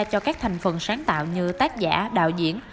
cho các thành phần sáng tạo như tác giả đạo diễn